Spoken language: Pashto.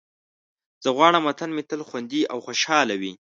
زه غواړم وطن مې تل خوندي او خوشحال وي.